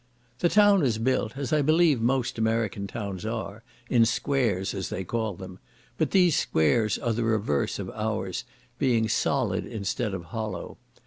The town is built, as I believe most American towns are, in squares, as they call them; but these squares are the reverse of our's, being solid instead of hollow.